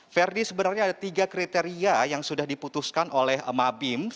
ferdi sebenarnya ada tiga kriteria yang sudah diputuskan oleh mabim